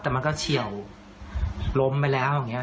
แต่มันก็เฉียวล้มไปแล้วอย่างนี้